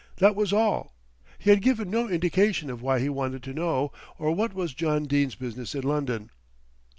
That was all. He had given no indication of why he wanted to know, or what was John Dene's business in London.